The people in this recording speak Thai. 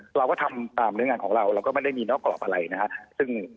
เราก็ทำตามเนื้องานของเราเราก็ไม่ได้มีนอกกรอบอะไรนะครับ